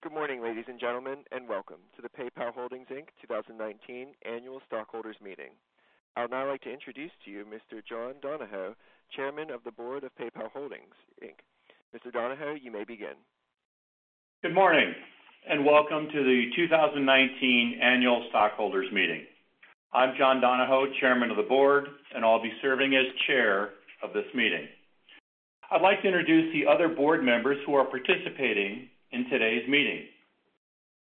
Good morning, ladies and gentlemen. Welcome to the PayPal Holdings, Inc. 2019 annual stockholders meeting. I would now like to introduce to you Mr. John Donahoe, Chairman of the Board of PayPal Holdings, Inc. Mr. Donahoe, you may begin. Good morning, and welcome to the 2019 annual stockholders meeting. I'm John Donahoe, Chairman of the Board, and I'll be serving as Chair of this meeting. I'd like to introduce the other Board Members who are participating in today's meeting.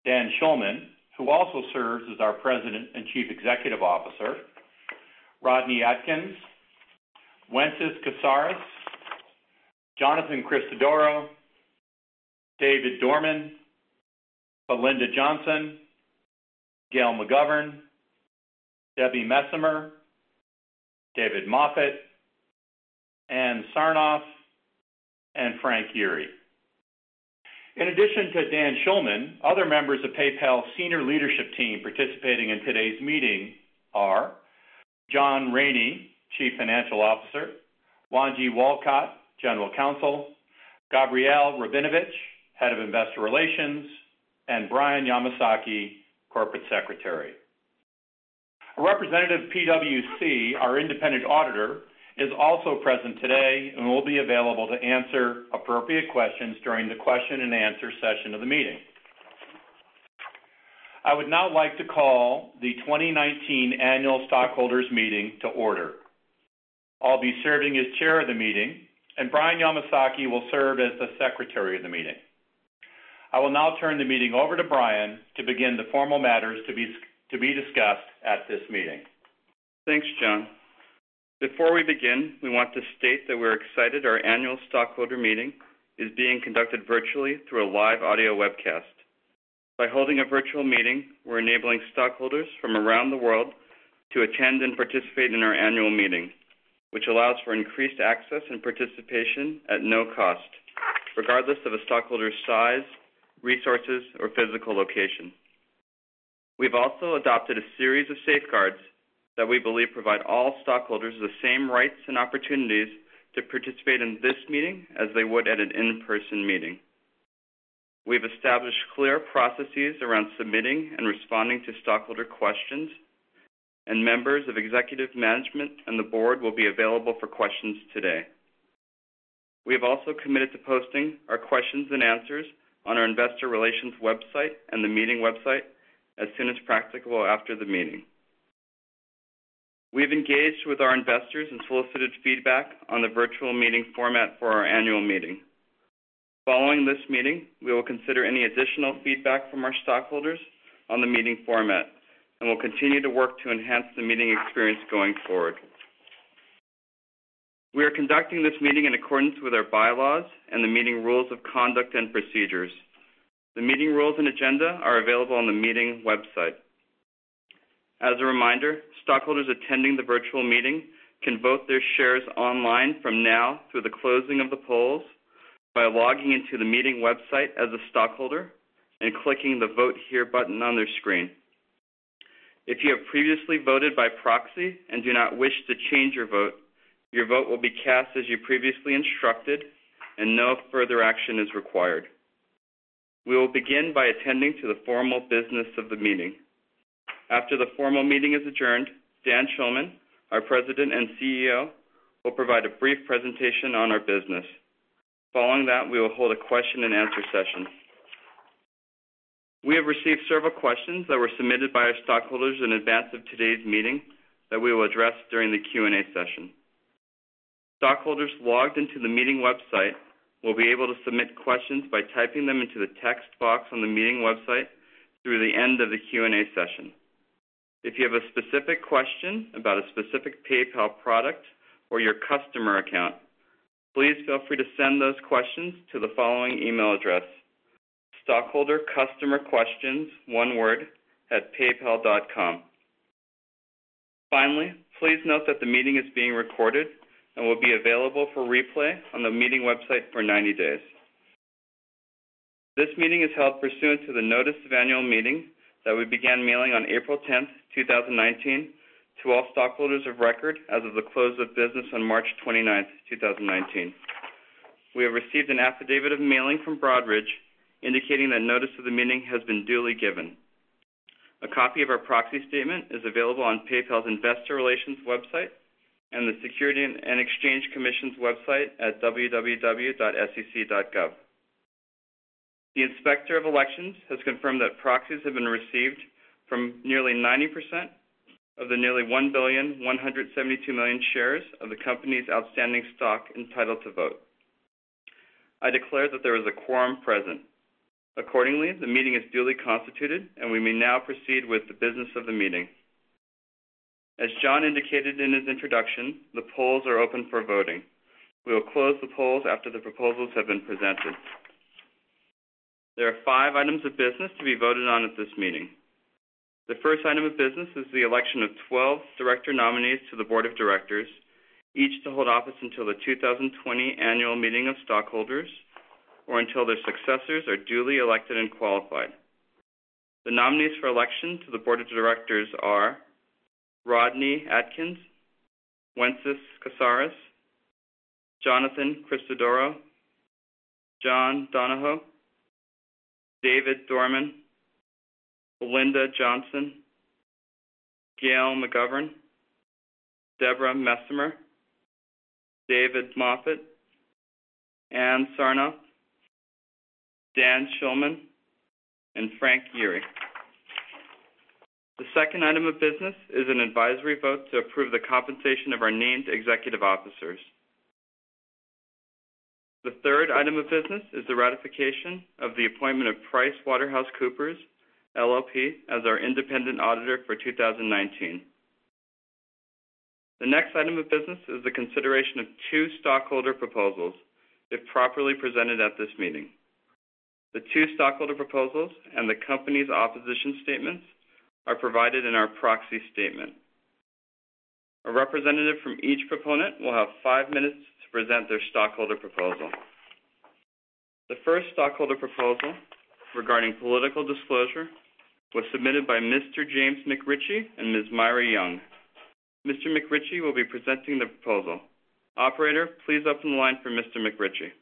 Dan Schulman, who also serves as our President and Chief Executive Officer, Rodney Adkins, Wences Casares, Jonathan Christodoro, David Dorman, Belinda Johnson, Gail McGovern, Deborah Messemer, David Moffett, Ann Sarnoff, and Frank Yeary. In addition to Dan Schulman, other members of PayPal senior leadership team participating in today's meeting are John Rainey, Chief Financial Officer, Wanji Walcott, General Counsel, Gabrielle Rabinovitch, Head of Investor Relations, and Brian Yamasaki, Corporate Secretary. A representative of PwC, our independent auditor, is also present today and will be available to answer appropriate questions during the question and answer session of the meeting. I would now like to call the 2019 annual stockholders meeting to order. I'll be serving as chair of the meeting, and Brian Yamasaki will serve as the secretary of the meeting. I will now turn the meeting over to Brian to begin the formal matters to be discussed at this meeting. Thanks, John. Before we begin, we want to state that we're excited our annual stockholder meeting is being conducted virtually through a live audio webcast. By holding a virtual meeting, we're enabling stockholders from around the world to attend and participate in our annual meeting, which allows for increased access and participation at no cost, regardless of a stockholder's size, resources, or physical location. We've also adopted a series of safeguards that we believe provide all stockholders the same rights and opportunities to participate in this meeting as they would at an in-person meeting. We've established clear processes around submitting and responding to stockholder questions, and members of Executive Management and the Board will be available for questions today. We have also committed to posting our questions and answers on our investor relations website and the meeting website as soon as practicable after the meeting. We've engaged with our investors and solicited feedback on the virtual meeting format for our annual meeting. Following this meeting, we will consider any additional feedback from our stockholders on the meeting format, and we'll continue to work to enhance the meeting experience going forward. We are conducting this meeting in accordance with our bylaws and the meeting rules of conduct and procedures. The meeting rules and agenda are available on the meeting website. As a reminder, stockholders attending the virtual meeting can vote their shares online from now through the closing of the polls by logging into the meeting website as a stockholder and clicking the Vote Here button on their screen. If you have previously voted by proxy and do not wish to change your vote, your vote will be cast as you previously instructed, and no further action is required. We will begin by attending to the formal business of the meeting. After the formal meeting is adjourned, Dan Schulman, our President and CEO, will provide a brief presentation on our business. Following that, we will hold a question and answer session. We have received several questions that were submitted by our stockholders in advance of today's meeting that we will address during the Q&A session. Stockholders logged into the meeting website will be able to submit questions by typing them into the text box on the meeting website through the end of the Q&A session. If you have a specific question about a specific PayPal product or your customer account, please feel free to send those questions to the following email address: stockholdercustomerquestions@paypal.com. Finally, please note that the meeting is being recorded and will be available for replay on the meeting website for 90 days. This meeting is held pursuant to the notice of annual meeting that we began mailing on April 10, 2019, to all stockholders of record as of the close of business on March 29, 2019. We have received an affidavit of mailing from Broadridge indicating that notice of the meeting has been duly given. A copy of our proxy statement is available on PayPal's Investor Relations website and the Securities and Exchange Commission's website at www.sec.gov. The Inspector of Elections has confirmed that proxies have been received from nearly 90% of the nearly 1.172 billion shares of the company's outstanding stock entitled to vote. I declare that there is a quorum present. Accordingly, the meeting is duly constituted. We may now proceed with the business of the meeting. As John indicated in his introduction, the polls are open for voting. We will close the polls after the proposals have been presented. There are five items of business to be voted on at this meeting. The first item of business is the election of 12 director nominees to the board of directors, each to hold office until the 2020 annual meeting of stockholders or until their successors are duly elected and qualified. The nominees for election to the board of directors are Rodney Adkins, Wences Casares, Jonathan Christodoro, John Donahoe, David Dorman, Belinda Johnson, Gail McGovern, Deborah Messemer, David Moffett, Ann Sarnoff, Dan Schulman, and Frank Yeary. The second item of business is an advisory vote to approve the compensation of our named executive officers. The third item of business is the ratification of the appointment of PricewaterhouseCoopers LLP as our independent auditor for 2019. The next item of business is the consideration of two stockholder proposals, if properly presented at this meeting. The two stockholder proposals and the company's opposition statements are provided in our proxy statement. A representative from each proponent will have five minutes to present their stockholder proposal. The first stockholder proposal regarding political disclosure was submitted by Mr. James McRitchie and Ms. Myra Young. Mr. McRitchie will be presenting the proposal. Operator, please open the line for Mr. McRitchie.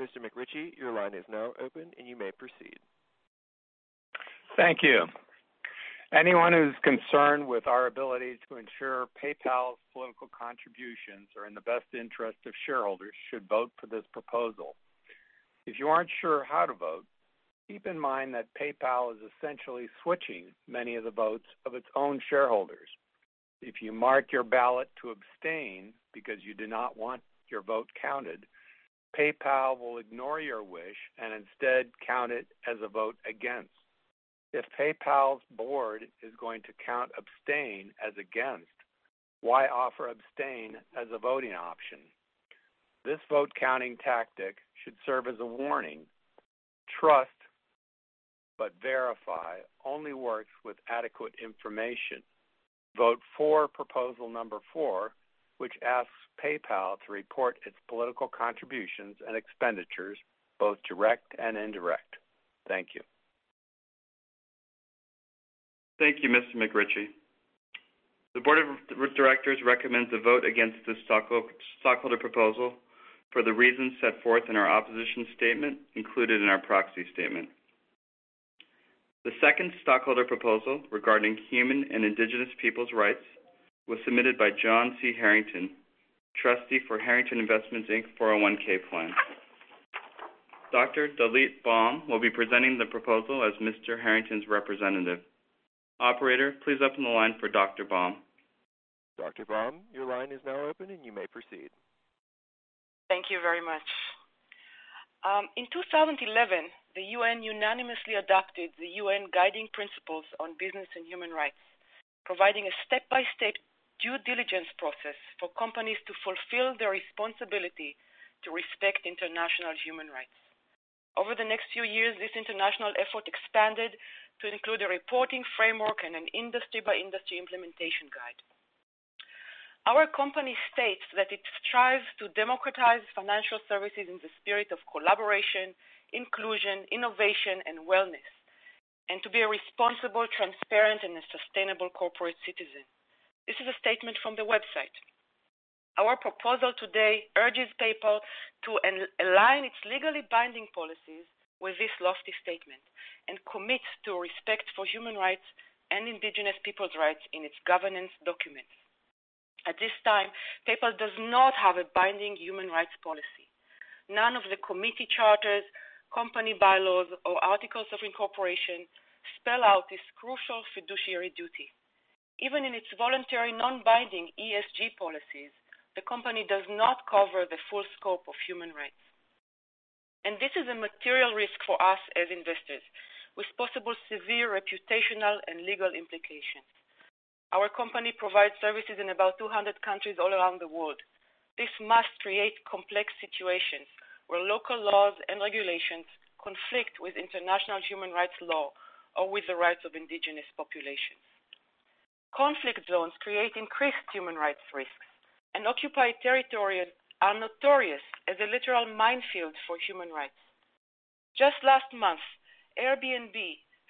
Mr. McRitchie, your line is now open, and you may proceed. Thank you. Anyone who's concerned with our ability to ensure PayPal's political contributions are in the best interest of shareholders should vote for this proposal. If you aren't sure how to vote, keep in mind that PayPal is essentially switching many of the votes of its own shareholders. If you mark your ballot to abstain because you do not want your vote counted, PayPal will ignore your wish and instead count it as a vote against. If PayPal's board is going to count abstain as against, why offer abstain as a voting option? This vote counting tactic should serve as a warning. Trust but verify only works with adequate information. Vote for proposal number four, which asks PayPal to report its political contributions and expenditures, both direct and indirect. Thank you. Thank you, Mr. McRitchie. The board of directors recommends a vote against this stockholder proposal for the reasons set forth in our opposition statement included in our proxy statement. The second stockholder proposal regarding human and indigenous peoples' rights was submitted by John C. Harrington, Trustee for Harrington Investments, Inc., 401K plan. Dr. Dalit Baum will be presenting the proposal as Mr. Harrington's representative. Operator, please open the line for Dr. Baum. Dr. Baum, your line is now open, and you may proceed. Thank you very much. In 2011, the UN unanimously adopted the UN Guiding Principles on Business and Human Rights, providing a step-by-step due diligence process for companies to fulfill their responsibility to respect international human rights. Over the next few years, this international effort expanded to include a reporting framework and an industry-by-industry implementation guide. Our company states that it strives to democratize financial services in the spirit of collaboration, inclusion, innovation, and wellness and to be a responsible, transparent, and sustainable corporate citizen. This is a statement from the website. Our proposal today urges PayPal to align its legally binding policies with this lofty statement and commit to respect for human rights and indigenous people's rights in its governance documents. At this time, PayPal does not have a binding human rights policy. None of the committee charters, company bylaws, or articles of incorporation spell out this crucial fiduciary duty. Even in its voluntary non-binding ESG policies, the company does not cover the full scope of human rights. This is a material risk for us as investors, with possible severe reputational and legal implications. Our company provides services in about 200 countries all around the world. This must create complex situations where local laws and regulations conflict with international human rights law or with the rights of indigenous populations. Conflict zones create increased human rights risks, and occupied territory is notorious as a literal minefield for human rights. Just last month, Airbnb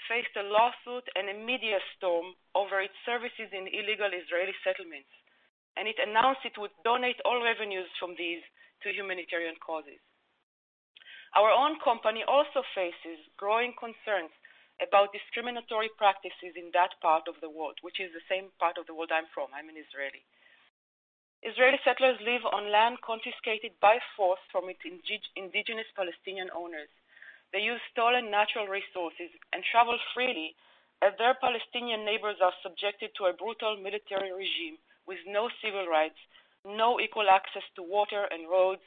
faced a lawsuit and a media storm over its services in illegal Israeli settlements, and it announced it would donate all revenues from these to humanitarian causes. Our own company also faces growing concerns about discriminatory practices in that part of the world, which is the same part of the world I'm from. I'm an Israeli. Israeli settlers live on land confiscated by force from its indigenous Palestinian owners. They use stolen natural resources and travel freely, as their Palestinian neighbors are subjected to a brutal military regime with no civil rights, no equal access to water and roads,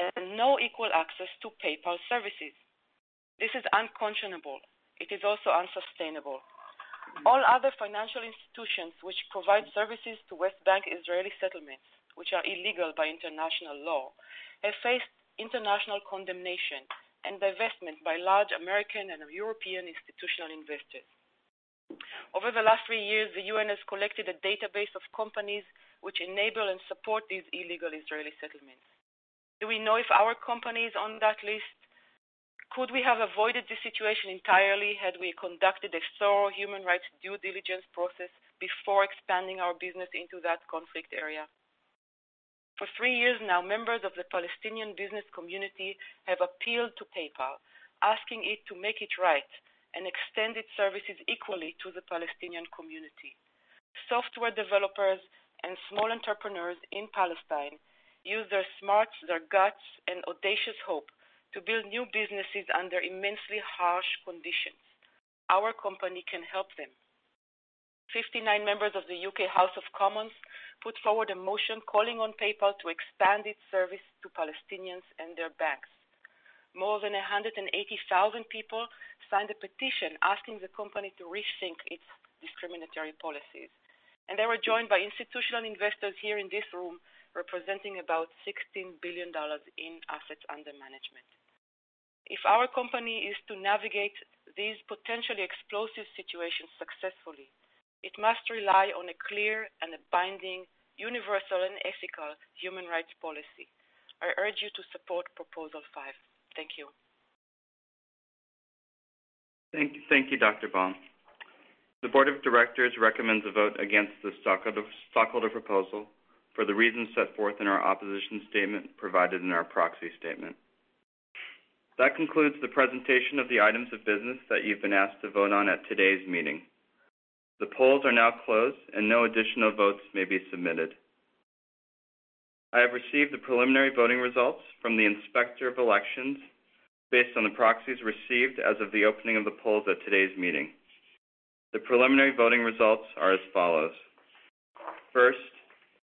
and no equal access to PayPal services. This is unconscionable. It is also unsustainable. All other financial institutions which provide services to West Bank Israeli settlements, which are illegal by international law, have faced international condemnation and divestment by large American and European institutional investors. Over the last three years, the UN has collected a database of companies which enable and support these illegal Israeli settlements. Do we know if our company is on that list? Could we have avoided this situation entirely had we conducted a thorough human rights due diligence process before expanding our business into that conflict area? For three years now, members of the Palestinian business community have appealed to PayPal, asking it to make it right and extend its services equally to the Palestinian community. Software developers and small entrepreneurs in Palestine use their smarts, their guts, and audacious hope to build new businesses under immensely harsh conditions. Our company can help them. 59 members of the U.K. House of Commons put forward a motion calling on PayPal to expand its service to Palestinians and their banks. More than 180,000 people signed a petition asking the company to rethink its discriminatory policies. They were joined by institutional investors here in this room representing about $16 billion in assets under management. If our company is to navigate these potentially explosive situations successfully, it must rely on a clear and a binding universal and ethical human rights policy. I urge you to support Proposal Five. Thank you. Thank you, Dr. Baum. The board of directors recommends a vote against the stockholder proposal for the reasons set forth in our opposition statement provided in our proxy statement. That concludes the presentation of the items of business that you've been asked to vote on at today's meeting. The polls are now closed, and no additional votes may be submitted. I have received the preliminary voting results from the Inspector of Elections based on the proxies received as of the opening of the polls at today's meeting. The preliminary voting results are as follows. First,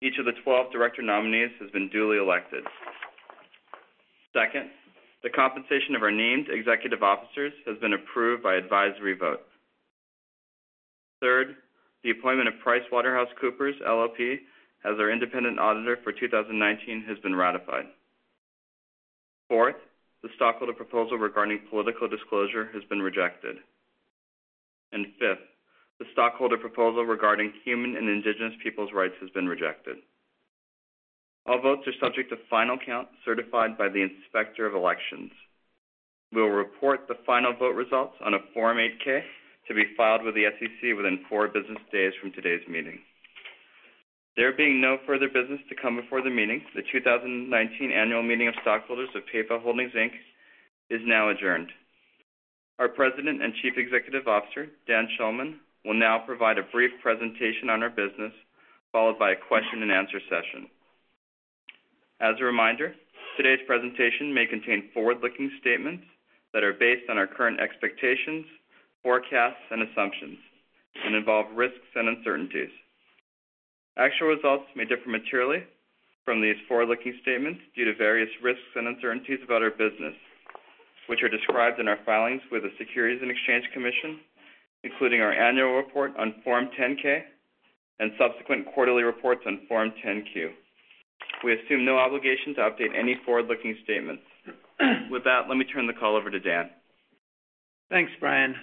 each of the 12 director nominees has been duly elected. Second, the compensation of our named executive officers has been approved by advisory vote. Third, the appointment of PricewaterhouseCoopers LLP as our independent auditor for 2019 has been ratified. Fourth, the stockholder proposal regarding political disclosure has been rejected. Fifth, the stockholder proposal regarding human and indigenous people's rights has been rejected. All votes are subject to final count certified by the Inspector of Elections. We will report the final vote results on a Form 8-K to be filed with the SEC within four business days from today's meeting. There being no further business to come before the meeting, the 2019 annual meeting of stockholders of PayPal Holdings, Inc. is now adjourned. Our President and Chief Executive Officer, Dan Schulman, will now provide a brief presentation on our business, followed by a question-and-answer session. As a reminder, today's presentation may contain forward-looking statements that are based on our current expectations, forecasts, and assumptions and involve risks and uncertainties. Actual results may differ materially from these forward-looking statements due to various risks and uncertainties about our business, which are described in our filings with the Securities and Exchange Commission, including our annual report on Form 10-K and subsequent quarterly reports on Form 10-Q. We assume no obligation to update any forward-looking statements. With that, let me turn the call over to Dan. Thanks, Brian.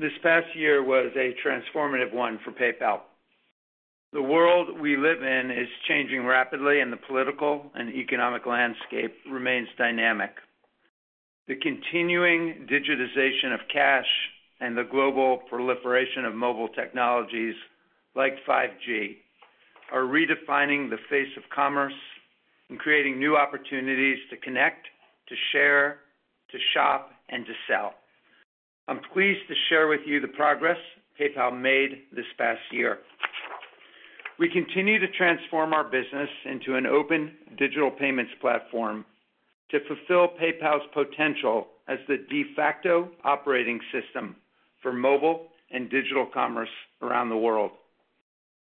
This past year was a transformative one for PayPal. The world we live in is changing rapidly, and the political and economic landscape remains dynamic. The continuing digitization of cash and the global proliferation of mobile technologies like 5G are redefining the face of commerce and creating new opportunities to connect, to share, to shop, and to sell. I'm pleased to share with you the progress PayPal made this past year. We continue to transform our business into an open digital payments platform to fulfill PayPal's potential as the de facto operating system for mobile and digital commerce around the world.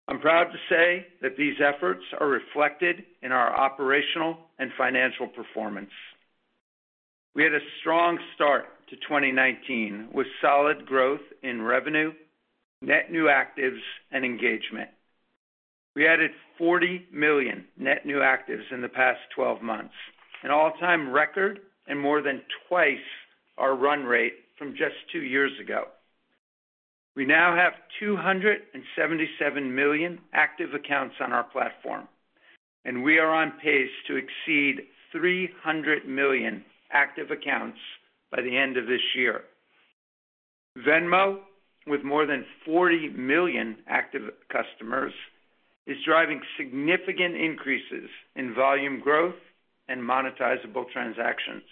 I'm proud to say that these efforts are reflected in our operational and financial performance. We had a strong start to 2019 with solid growth in revenue, net new actives, and engagement. We added 40 million net new actives in the past 12 months, an all-time record, and more than twice our run rate from just two years ago. We now have 277 million active accounts on our platform. We are on pace to exceed 300 million active accounts by the end of this year. Venmo, with more than 40 million active customers, is driving significant increases in volume growth and monetizable transactions.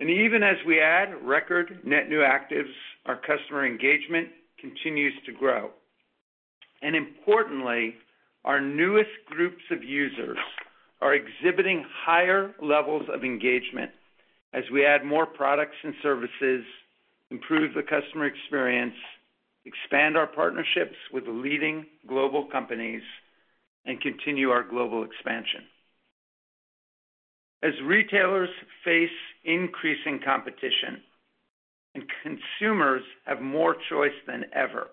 Even as we add record net new actives, our customer engagement continues to grow. Importantly, our newest groups of users are exhibiting higher levels of engagement as we add more products and services, improve the customer experience, expand our partnerships with leading global companies, and continue our global expansion. As retailers face increasing competition and consumers have more choice than ever,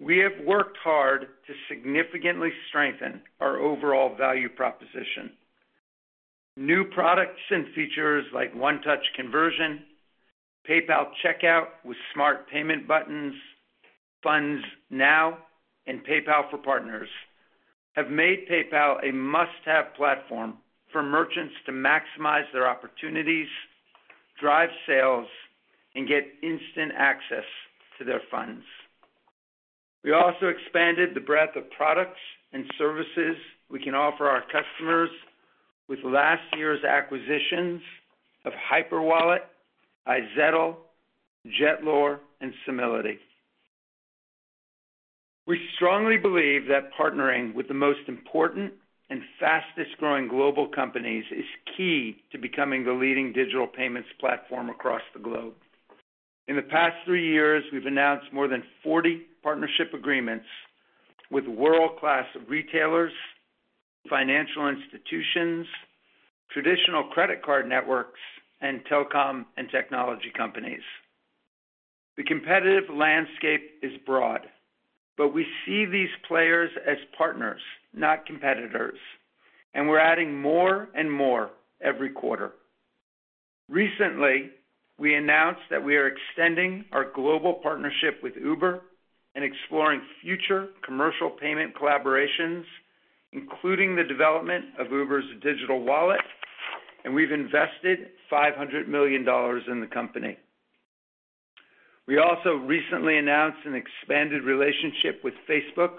we have worked hard to significantly strengthen our overall value proposition. New products and features like One Touch, PayPal Checkout with Smart Payment Buttons, Funds Now, and PayPal Partner Program have made PayPal a must-have platform for merchants to maximize their opportunities, drive sales, and get instant access to their funds. We also expanded the breadth of products and services we could offer our customers with last year's acquisitions of Hyperwallet, iZettle, Jetlore, and Simility. We strongly believe that partnering with the most important and fastest-growing global companies is key to becoming the leading digital payments platform across the globe. In the past three years, we've announced more than 40 partnership agreements with world-class retailers, financial institutions, traditional credit card networks, and telecom and technology companies. The competitive landscape is broad, but we see these players as partners, not competitors, and we're adding more and more every quarter. Recently, we announced that we are extending our global partnership with Uber and exploring future commercial payment collaborations, including the development of Uber's digital wallet, and we've invested $500 million in the company. We also recently announced an expanded relationship with Facebook,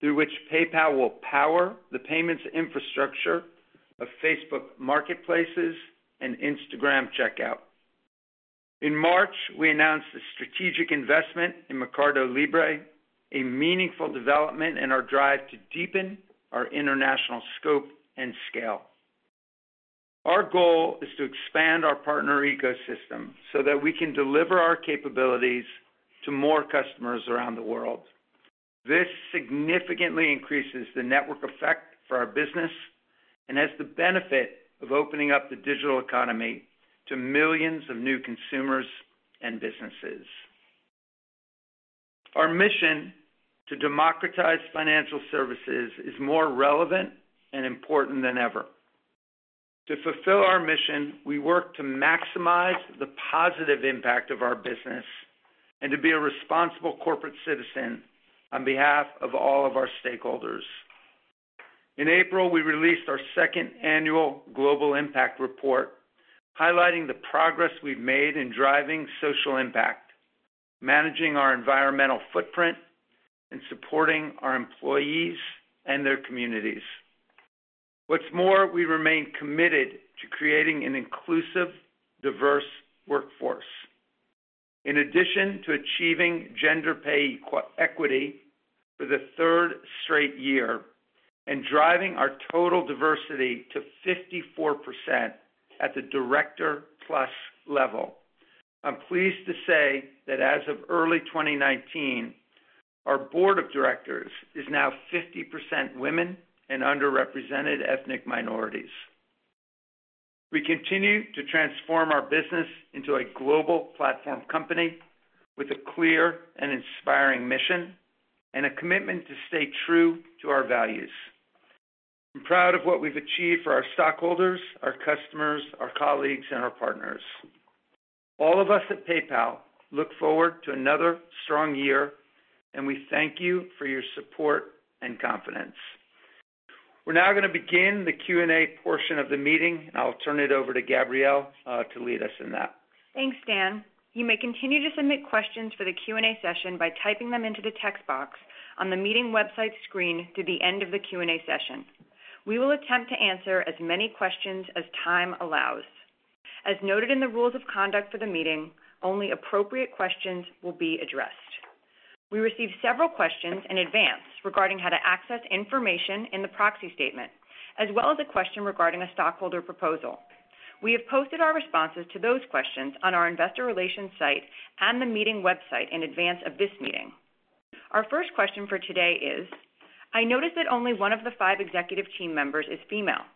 through which PayPal will power the payments infrastructure of Facebook Marketplace and Instagram Checkout. In March, we announced a strategic investment in Mercado Libre, a meaningful development in our drive to deepen our international scope and scale. Our goal is to expand our partner ecosystem so that we can deliver our capabilities to more customers around the world. This significantly increases the network effect for our business and has the benefit of opening up the digital economy to millions of new consumers and businesses. Our mission to democratize financial services is more relevant and important than ever. To fulfill our mission, we work to maximize the positive impact of our business and to be a responsible corporate citizen on behalf of all of our stakeholders. In April, we released our second annual Global Impact Report, highlighting the progress we've made in driving social impact, managing our environmental footprint, and supporting our employees and their communities. What's more, we remain committed to creating an inclusive, diverse workforce. In addition to achieving gender pay equity for the third straight year and driving our total diversity to 54% at the director-plus level, I'm pleased to say that as of early 2019, our board of directors is now 50% women and underrepresented ethnic minorities. We continue to transform our business into a global platform company with a clear and inspiring mission and a commitment to stay true to our values. I'm proud of what we've achieved for our stockholders, our customers, our colleagues, and our partners. All of us at PayPal look forward to another strong year. We thank you for your support and confidence. We're now gonna begin the Q&A portion of the meeting. I'll turn it over to Gabrielle to lead us in that. Thanks, Dan. You may continue to submit questions for the Q&A session by typing them into the text box on the meeting website screen through the end of the Q&A session. We will attempt to answer as many questions as time allows. As noted in the rules of conduct for the meeting, only appropriate questions will be addressed. We received several questions in advance regarding how to access information in the proxy statement, as well as a question regarding a stockholder proposal. We have posted our responses to those questions on our Investor Relations site and the meeting website in advance of this meeting. Our first question for today is, I notice that only one of the five executive team members is female.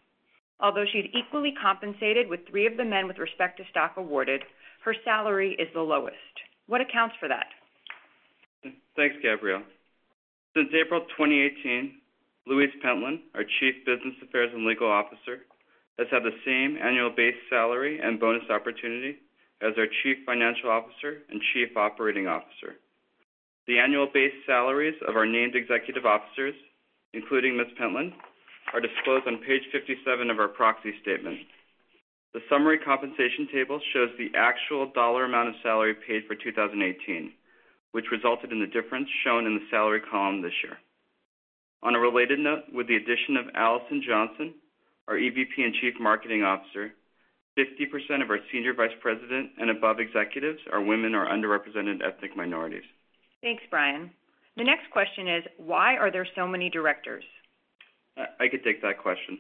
Although she's equally compensated with three of the men with respect to stock awarded, her salary is the lowest. What accounts for that? Thanks, Gabrielle. Since April 2018, Louise Pentland, our Chief Business Affairs and Legal Officer, has had the same annual base salary and bonus opportunity as our Chief Financial Officer and Chief Operating Officer. The annual base salaries of our named executive officers, including Ms. Pentland, are disclosed on page 57 of our proxy statement. The summary compensation table shows the actual dollar amount of salary paid for 2018, which resulted in the difference shown in the salary column this year. On a related note, with the addition of Allison Johnson, our EVP and Chief Marketing Officer, 50% of our Senior Vice President and above executives are women or underrepresented ethnic minorities. Thanks, Brian. The next question is: Why are there so many directors? I can take that question.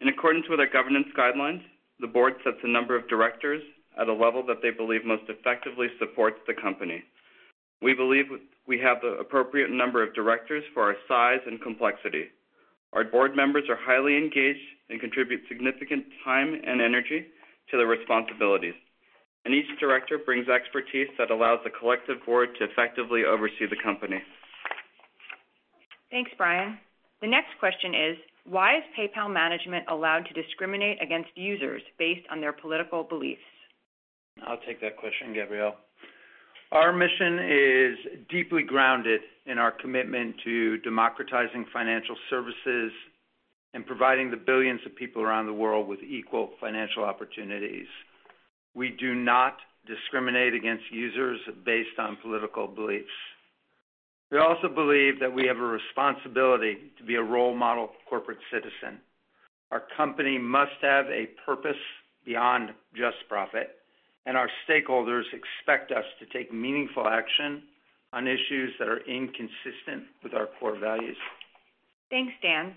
In accordance with our governance guidelines, the board sets the number of directors at a level that they believe most effectively supports the company. We believe we have the appropriate number of directors for our size and complexity. Our board members are highly engaged and contribute significant time and energy to their responsibilities, and each director brings expertise that allows the collective board to effectively oversee the company. Thanks, Brian. The next question is: Why is PayPal management allowed to discriminate against users based on their political beliefs? I'll take that question, Gabrielle. Our mission is deeply grounded in our commitment to democratizing financial services and providing the billions of people around the world with equal financial opportunities. We do not discriminate against users based on political beliefs. We also believe that we have a responsibility to be a role model corporate citizen. Our company must have a purpose beyond just profit, and our stakeholders expect us to take meaningful action on issues that are inconsistent with our core values. Thanks, Dan.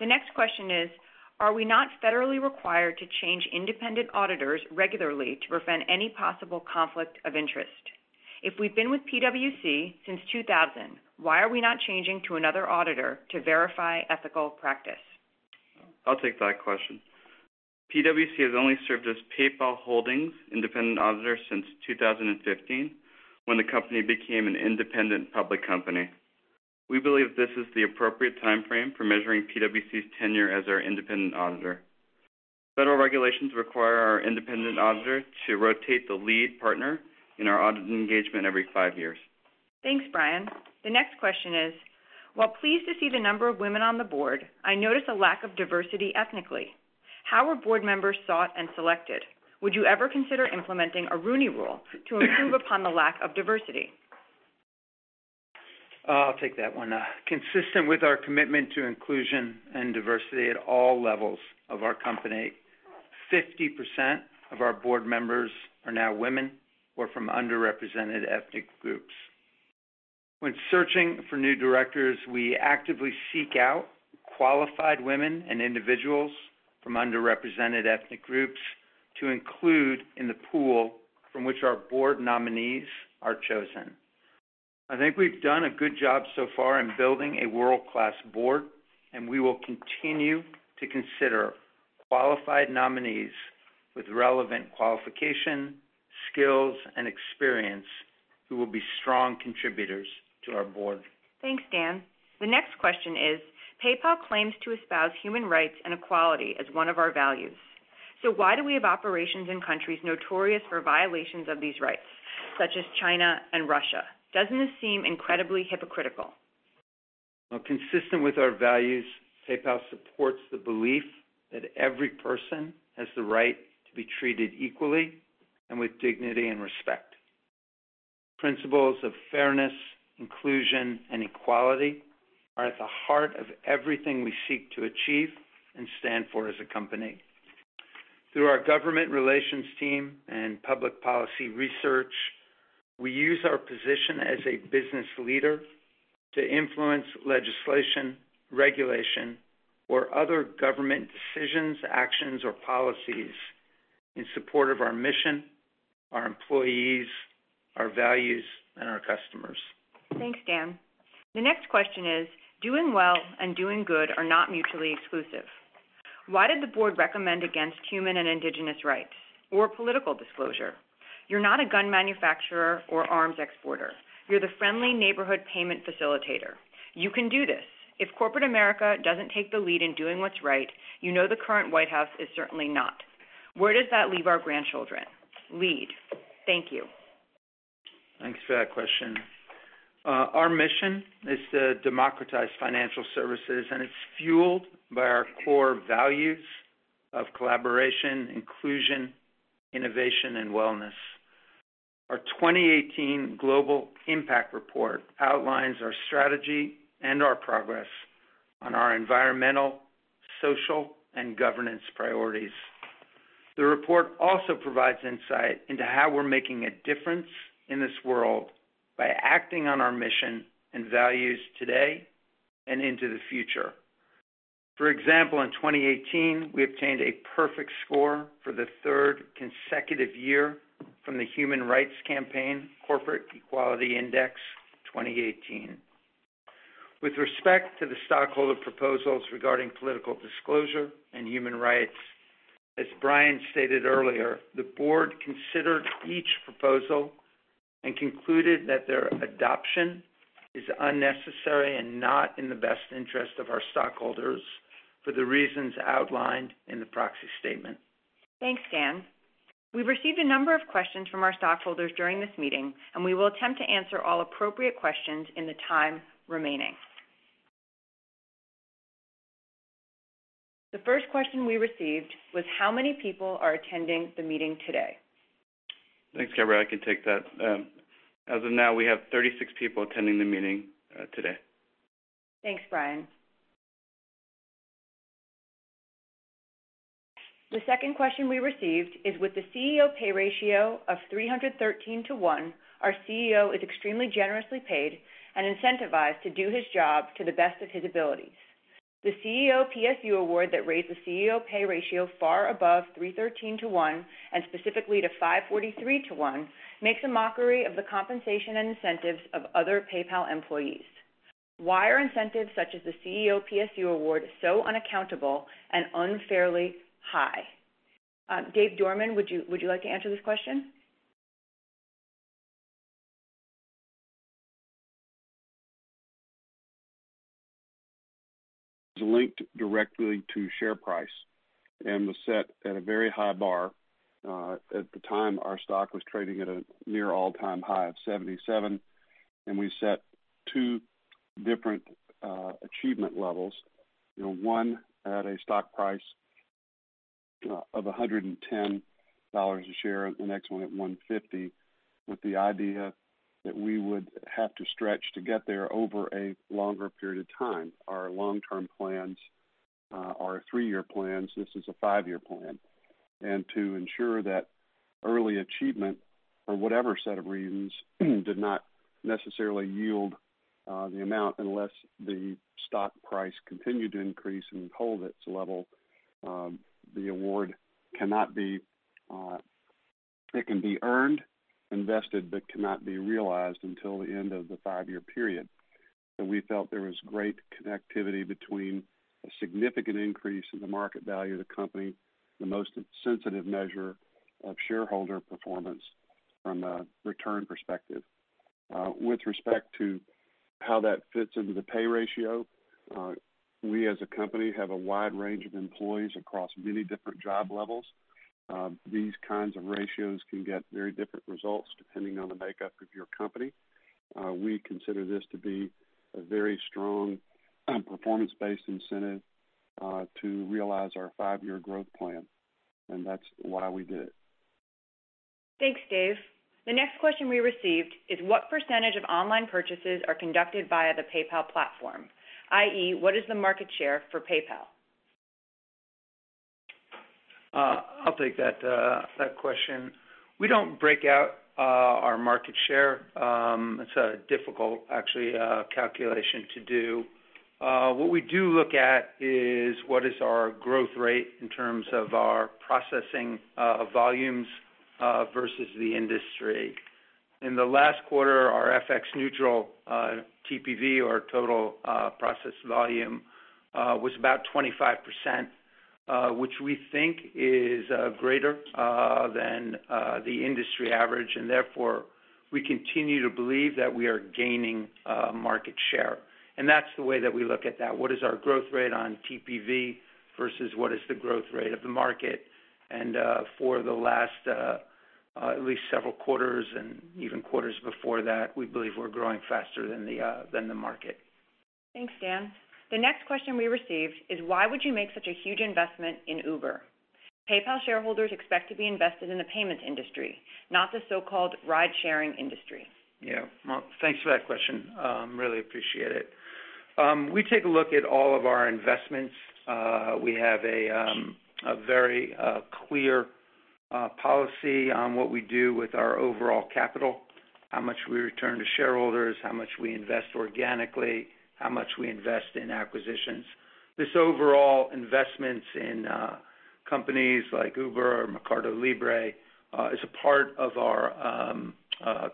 The next question is: Are we not federally required to change independent auditors regularly to prevent any possible conflict of interest? If we've been with PwC since 2000, why are we not changing to another auditor to verify ethical practice? I'll take that question. PwC has only served as PayPal Holdings' independent auditor since 2015, when the company became an independent public company. We believe this is the appropriate timeframe for measuring PwC's tenure as our independent auditor. Federal regulations require our independent auditor to rotate the lead partner in our audit engagement every five years. Thanks, Brian. The next question is: While pleased to see the number of women on the board, I notice a lack of diversity ethnically. How are board members sought and selected? Would you ever consider implementing a Rooney Rule to improve upon the lack of diversity? I'll take that one. Consistent with our commitment to inclusion and diversity at all levels of our company, 50% of our board members are now women or from underrepresented ethnic groups. When searching for new directors, we actively seek out qualified women and individuals from underrepresented ethnic groups to include in the pool from which our board nominees are chosen. I think we've done a good job so far in building a world-class board, and we will continue to consider qualified nominees with relevant qualifications, skills, and experience who will be strong contributors to our board. Thanks, Dan. The next question is: PayPal claims to espouse human rights and equality as one of our values. Why do we have operations in countries notorious for violations of these rights, such as China and Russia? Doesn't this seem incredibly hypocritical? Well, consistent with our values, PayPal supports the belief that every person has the right to be treated equally and with dignity and respect. Principles of fairness, inclusion, and equality are at the heart of everything we seek to achieve and stand for as a company. Through our government relations team and public policy research, we use our position as a business leader to influence legislation, regulation, or other government decisions, actions, or policies in support of our mission, our employees, our values, and our customers. Thanks, Dan. The next question is: Doing well and doing good are not mutually exclusive. Why did the board recommend against human and indigenous rights or political disclosure? You're not a gun manufacturer or arms exporter. You're the friendly neighborhood payment facilitator. You can do this. If corporate America doesn't take the lead in doing what's right, you know the current White House is certainly not. Where does that leave our grandchildren? Lead. Thank you. Thanks for that question. Our mission is to democratize financial services, and it's fueled by our core values of collaboration, inclusion, innovation, and wellness. Our 2018 Global Impact Report outlines our strategy and our progress on our environmental, social, and governance priorities. The report also provides insight into how we're making a difference in this world by acting on our mission and values today and into the future. For example, in 2018, we obtained a perfect score for the third consecutive year from the Human Rights Campaign Corporate Equality Index 2018. With respect to the stockholder proposals regarding political disclosure and human rights, as Brian stated earlier, the board considered each proposal and concluded that their adoption is unnecessary and not in the best interest of our stockholders for the reasons outlined in the proxy statement. Thanks, Dan. We've received a number of questions from our stockholders during this meeting, and we will attempt to answer all appropriate questions in the time remaining. The first question we received was: How many people are attending the meeting today? Thanks, Gabrielle. I can take that. As of now, we have 36 people attending the meeting today. Thanks, Brian. The second question we received is: With the CEO pay ratio of 313 to 1, our CEO is extremely generously paid and incentivized to do his job to the best of his abilities. The CEO PSU Award that raised the CEO pay ratio far above 313:1 and specifically to 543:1 makes a mockery of the compensation and incentives of other PayPal employees. Why are incentives such as the CEO PSU Award so unaccountable and unfairly high? David Dorman, would you like to answer this question? Is linked directly to share price and was set at a very high bar. At the time, our stock was trading at a near all-time high of 77, and we set two different achievement levels. You know, one at a stock price of $110 a share, the next one at $150, with the idea that we would have to stretch to get there over a longer period of time. Our long-term plans are three-year plans. This is a five-year plan. To ensure that early achievement for whatever set of reasons did not necessarily yield the amount unless the stock price continued to increase and hold its level, the award can be earned and invested but cannot be realized until the end of the five-year period. We felt there was great connectivity between a significant increase in the market value of the company, the most sensitive measure of shareholder performance from a return perspective. With respect to how that fits into the pay ratio, we, as a company, have a wide range of employees across many different job levels. These kinds of ratios can get very different results depending on the makeup of your company. We consider this to be a very strong performance-based incentive to realize our five-year growth plan, and that's why we did it. Thanks, Dave. The next question we received is what percentage of online purchases are conducted via the PayPal platform? i.e., what is the market share for PayPal? I'll take that question. We don't break out our market share. It's a difficult actually calculation to do. What we do look at is what our growth rate is in terms of our processing volumes versus the industry. In the last quarter, our FX-neutral TPV, or Total Process Volume, was about 25%, which we think is greater than the industry average. Therefore, we continue to believe that we are gaining market share. That's the way that we look at that. What is our growth rate on TPV versus what is the growth rate of the market? For the last at least several quarters and even quarters before that, we believe we're growing faster than the market. Thanks, Dan. The next question we received is: Why would you make such a huge investment in Uber? PayPal shareholders expect to be invested in the payment industry, not the so-called ride-sharing industry. Yeah. Well, thanks for that question. Really appreciate it. We take a look at all of our investments. We have a very clear policy on what we do with our overall capital, how much we return to shareholders, how much we invest organically, how much we invest in acquisitions. These overall investments in companies like Uber or Mercado Libre are a part of our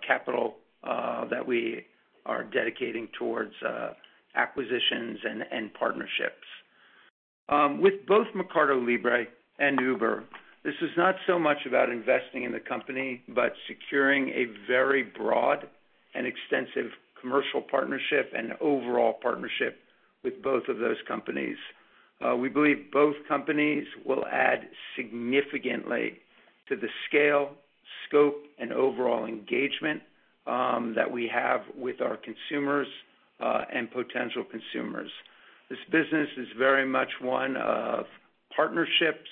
capital that we are dedicating towards acquisitions and partnerships. With both Mercado Libre and Uber, this is not so much about investing in the company but securing a very broad and extensive commercial partnership and overall partnership with both of those companies. We believe both companies will add significantly to the scale, scope, and overall engagement that we have with our consumers and potential consumers. This business is very much one of partnerships.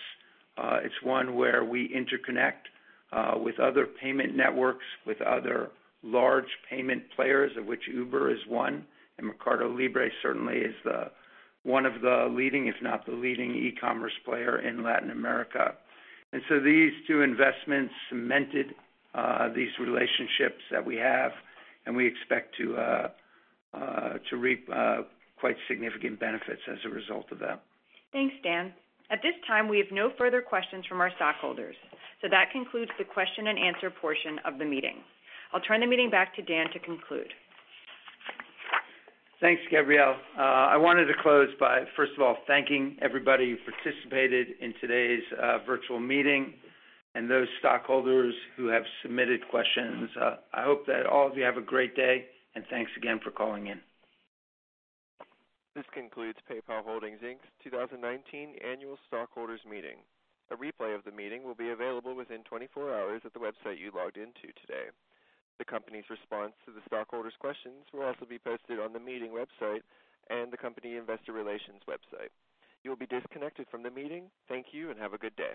It's one where we interconnect with other payment networks, with other large payment players, of which Uber is one, and Mercado Libre certainly is one of the leading, if not the leading, e-commerce players in Latin America. These two investments cemented these relationships that we have, and we expect to reap quite significant benefits as a result of that. Thanks, Dan. At this time, we have no further questions from our stockholders. That concludes the question and answer portion of the meeting. I'll turn the meeting back to Dan to conclude. Thanks, Gabrielle. I wanted to close by, first of all, thanking everybody who participated in today's virtual meeting and those stockholders who have submitted questions. I hope that all of you have a great day, and thanks again for calling in. This concludes PayPal Holdings, Inc. 2019 Annual Stockholders Meeting. A replay of the meeting will be available within 24 hours at the website you logged into today. The company's response to the stockholders' questions will also be posted on the meeting website and the company investor relations website. You will be disconnected from the meeting. Thank you and have a good day.